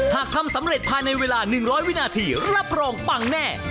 หากทำสำเร็จภายในเวลา๑๐๐วินาทีรับรองปังแน่